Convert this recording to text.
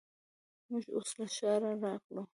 موږ اوس له ښاره راغلو.